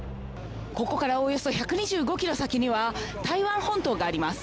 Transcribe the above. ここからおよそ１２５キロ先には、台湾本島があります。